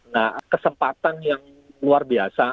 nah kesempatan yang luar biasa